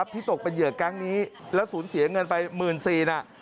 ที่ตกเป็นเหยื่อแก๊งนี้แล้วสูญเสียเงินไป๑๔๐๐น่ะ